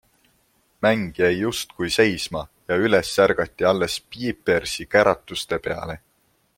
Mäng jäi justkui seisma ja üles ärgati alles Pijpersi käratuste peale.